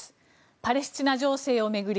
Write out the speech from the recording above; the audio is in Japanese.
パレスチナ情勢を巡り